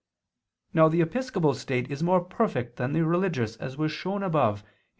Now the episcopal state is more perfect than the religious, as shown above (Q.